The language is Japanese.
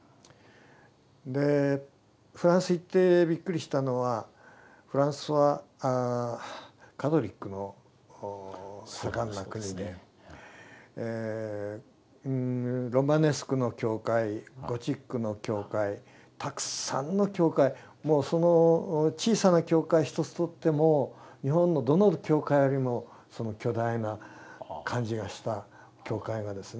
でフランス行ってびっくりしたのはフランスはカトリックの盛んな国でロマネスクの教会ゴシックの教会たくさんの教会もうその小さな教会ひとつとっても日本のどの教会よりも巨大な感じがした教会がですね